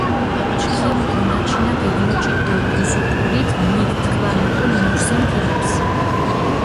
ჩქიმ დუნაჩინა გეგნოჩით დო დუზუკულით მით თქვან უკულ მოურსინ თინეფს.